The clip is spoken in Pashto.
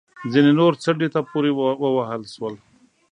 ځینې نور څنډې ته پورې ووهل شول